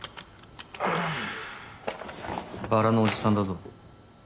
バラのおじさんだぞ。